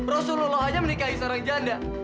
rasulullah aja menikahi seorang janda